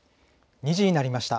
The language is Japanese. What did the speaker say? ２時になりました。